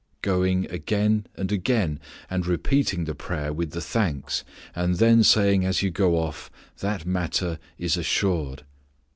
Going again and again, and repeating the prayer with the thanks, and then saying as you go off, "that matter is assured."